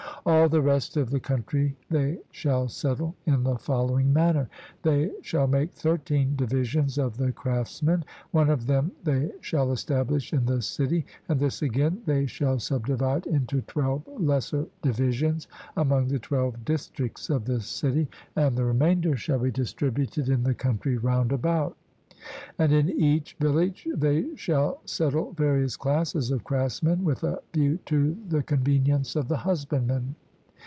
All the rest of the country they shall settle in the following manner: They shall make thirteen divisions of the craftsmen; one of them they shall establish in the city, and this, again, they shall subdivide into twelve lesser divisions, among the twelve districts of the city, and the remainder shall be distributed in the country round about; and in each village they shall settle various classes of craftsmen, with a view to the convenience of the husbandmen.